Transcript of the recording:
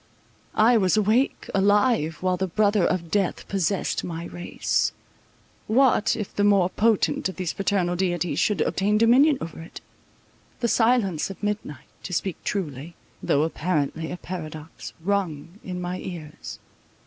I was awake, alive, while the brother of death possessed my race. What, if the more potent of these fraternal deities should obtain dominion over it? The silence of midnight, to speak truly, though apparently a paradox, rung in my ears.